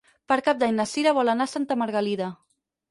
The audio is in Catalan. Per Cap d'Any na Cira vol anar a Santa Margalida.